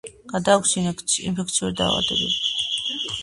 გადააქვს ინფექციური დაავადებები.